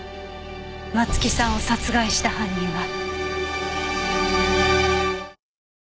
松木さんを殺害した犯人は。